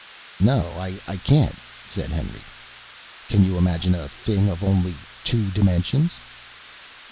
"No, I can't," said Henry. "Can you imagine a thing of only two dimensions?"